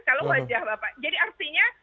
kalau wajah bapak jadi artinya